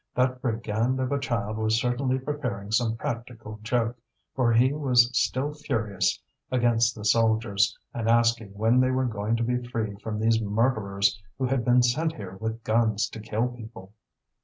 That brigand of a child was certainly preparing some practical joke, for he was still furious against the soldiers, and asking when they were going to be freed from these murderers who had been sent here with guns to kill people.